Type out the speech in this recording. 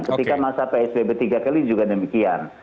ketika masa psbb tiga kali juga demikian